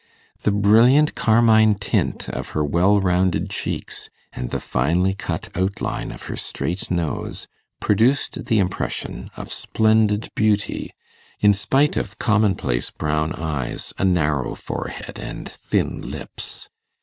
The brilliant carmine tint of her well rounded cheeks, and the finely cut outline of her straight nose, produced an impression of splendid beauty, in spite of commonplace brown eyes, a narrow forehead, and thin lips.